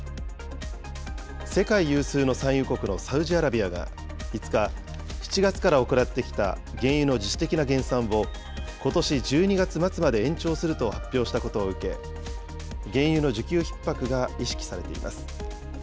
世界有数の産油国のサウジアラビアが５日、７月から行ってきた原油の自主的な減産をことし１２月末まで延長すると発表したことを受け、原油の需給ひっ迫が意識されています。